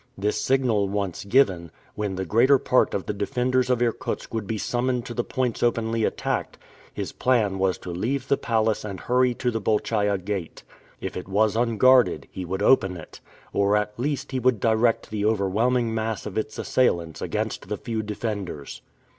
This signal once given, when the greater part of the defenders of Irkutsk would be summoned to the points openly attacked, his plan was to leave the palace and hurry to the Bolchaia Gate. If it was unguarded, he would open it; or at least he would direct the overwhelming mass of its assailants against the few defenders.